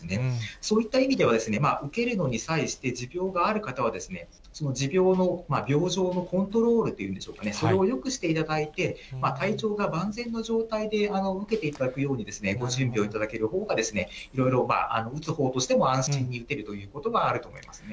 そういった意味では受けるのに際して、持病がある方は、その持病の病状のコントロールといいましょうかね、それをよくしていただいて、体調が万全の状態で受けていただくように、ご準備をいただけるほうが、いろいろ打つほうとしても安心に打てるということはあると思いますね。